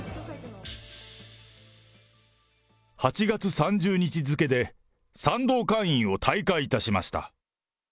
８月３０日付で賛同会員を退会いたしました。